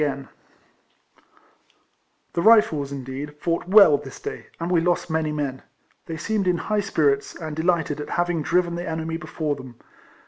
42 RECOLLECTIONS OF The Rifles, incleed, fought well this day, and we lost many men. They seemed in high spirits, and delighted at having driven the enemy before them.